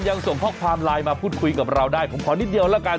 ยังส่งข้อความไลน์มาพูดคุยกับเราได้ผมขอนิดเดียวแล้วกัน